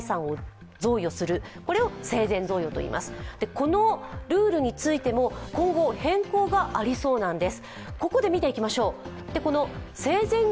このルールについても、今後変更がありそうなんです。